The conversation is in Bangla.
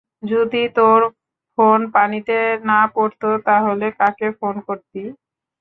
যদি তোর ফোন পানিতে না পড়তো, তাহলে কাকে ফোন করতি?